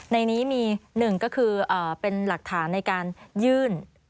ในนี้มีหนึ่งก็คือเป็นหลักฐานในการยื่น